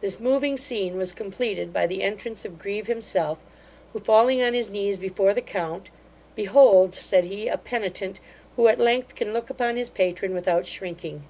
This moving scene was completed by the entrance of Grieve himself, who falling on his knees before the count, 'Behold (said he) a penitent, who at length can look upon his patron without shrinking.